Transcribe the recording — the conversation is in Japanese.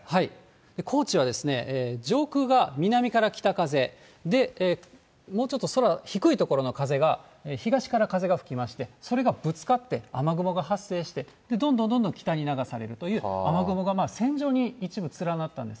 高知は上空が南から北風で、もうちょっと空低い所の風が東から風が吹きまして、それがぶつかって、雨雲が発生して、どんどんどんどん北に流されるという、雨雲が線状に一部連なったんです。